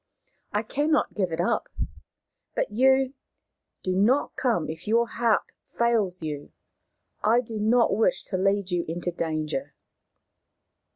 I cannot give it up. But you — do not come if your heart fails you. I do not wish to lead you into danger."